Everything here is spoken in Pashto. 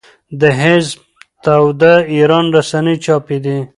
د حزب توده ایران رسنۍ چاپېدې.